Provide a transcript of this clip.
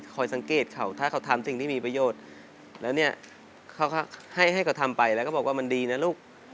สังเกตเขาถ้าเขาทำสิ่งที่มีประโยชน์แล้วเนี่ยเขาก็ให้เขาทำไปแล้วก็บอกว่ามันดีนะลูก